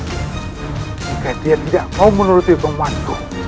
jika dia tidak mau menuruti pengumumanku